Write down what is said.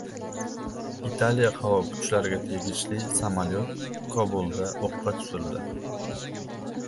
Italiya havo kuchlariga tegishli samolyot Kobulda o‘qqa tutildi